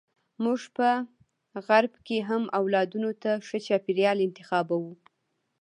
موږ په غرب کې هم اولادونو ته ښه چاپیریال انتخابوو.